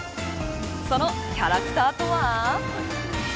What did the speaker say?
そのキャラクターとは。